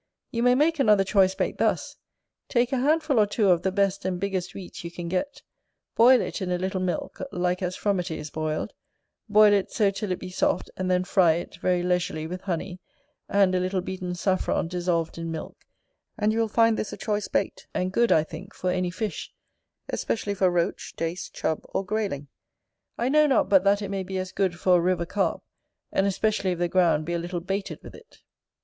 You may make another choice bait thus: take a handful or two of the best and biggest wheat you can get; boil it in a little milk, like as frumity is boiled; boil it so till it be soft; and then fry it, very leisurely, with honey, and a little beaten saffron dissolved in milk; and you will find this a choice bait, and good, I think, for any fish, especially for Roach, Dace, Chub, or Grayling: I know not but that it may be as good for a river Carp, and especially if the ground be a little baited with it.